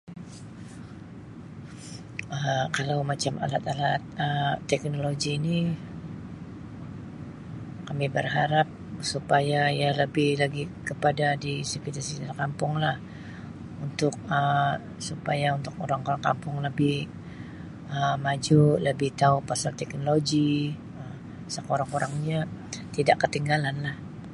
Um Kalau macam alat-alat Um teknologi ni, kami barharap supaya ia lebih lagi kapada di [unintelligible] kampung la untuk Um supaya untuk orang-orang kampung lebih Um maju, lebih tau pasal teknologi. Um Sekurang-kurangnya tidak katinggalan lah.